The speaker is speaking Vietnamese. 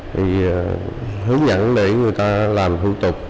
thì hướng dẫn để người ta làm thủ tục